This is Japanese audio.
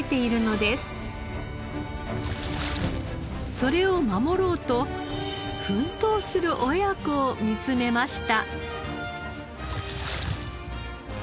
それを守ろうと奮闘する親子を見つめました。